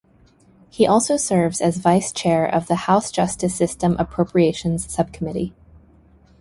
He also serves as vice chair of the House Justice System Appropriations Subcommittee.